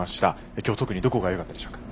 今日、特にどこがよかったですか。